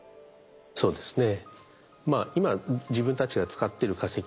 そうですね。